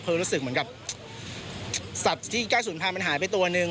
คือรู้สึกเหมือนกับสัตว์ที่ใกล้ศูนย์พันธุ์มันหายไปตัวนึง